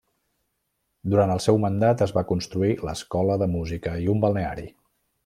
Durant el seu mandat es va construir l'Escola de Música i un balneari.